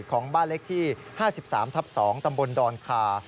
ของบ้านเล็กที่๕๓ทับ๒ตำบลดอนคา